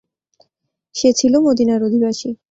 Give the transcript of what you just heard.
সে ছিল মদীনার অধিবাসী।